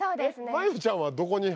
真佑ちゃんはどこに入る？